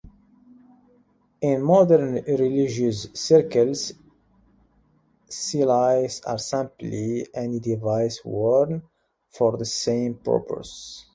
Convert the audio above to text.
In modern religious circles, cilices are simply any device worn for the same purposes.